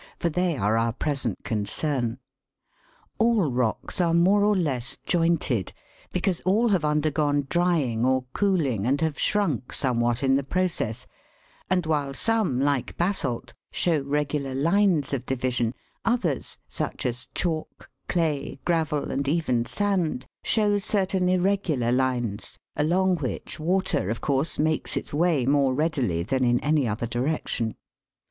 for they are our present concern. All rocks are more or less jointed, because all have undergone drying or cooling, and have shrunk somewhat in the process, and while some, like basalt, show regular lines of division, others, such as chalk, clay, gravel, and even sand, show certain irregular lines, along which water, of course, makes its way more readily than in any other direction.